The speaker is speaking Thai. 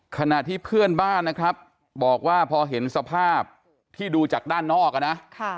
ขณะที่เพื่อนบ้านนะครับบอกว่าพอเห็นสภาพที่ดูจากด้านนอกอ่ะนะ